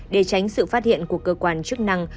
để tránh sự phát hiện của cơ quan chức năng